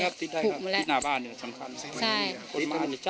สุดหน้าบ้านเนี่ยสำคัญ